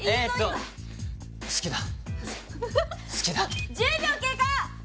好きだ好きだ１０秒経過！